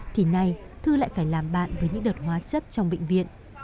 thì nay thư lại phải làm bạn với những đợt hóa chất trong bệnh viện